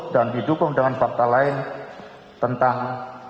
dan didukung dengan fakta lain tentang